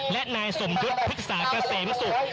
และนายสมทุศภึกษากเศสมศุกร์